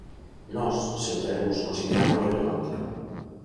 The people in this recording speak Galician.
Nós, se o traemos, considerámolo relevante.